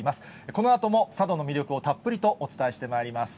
このあとも佐渡の魅力をたっぷりとお伝えしてまいります。